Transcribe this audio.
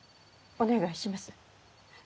お願いします！